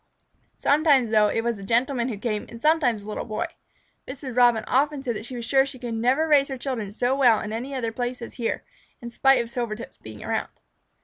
Sometimes, though, it was the Gentleman who came, and sometimes the Little Boy. Mrs. Robin often said that she was sure she could never raise children so well in any other place as here, in spite of Silvertip's being around.